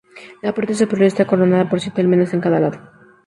La parte superior está coronada por siete almenas en cada lado.